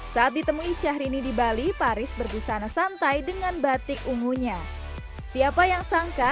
saat ditemui syahrini di bali paris berbusana santai dengan batik ungunya siapa yang sangka